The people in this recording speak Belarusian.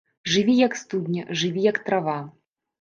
Жыві як студня, жыві як трава.